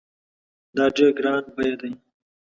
دا ډېر ګران بیه دی